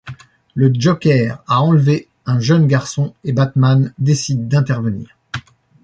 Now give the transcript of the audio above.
Le Joker a enlevé un jeune garçon et Batman décide d'intervenir.